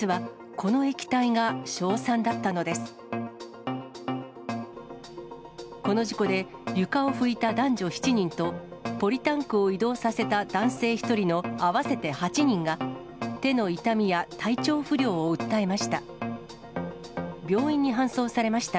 この事故で、床を拭いた男女７人と、ポリタンクを移動させた男性１人の合わせて８人が、手の痛みや体調不良を訴えました。